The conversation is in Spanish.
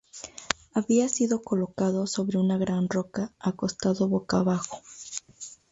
Había sido colocado sobre una gran roca acostado boca abajo.